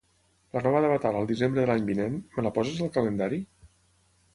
La nova d'"Avatar" al desembre de l'any vinent, me la poses al calendari?